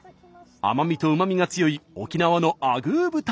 甘みとうまみが強い沖縄のアグー豚を使っています。